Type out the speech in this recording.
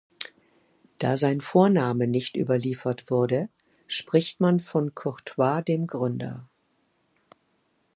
Da sein Vorname nicht überliefert wurde, spricht man von "Courtois dem Gründer".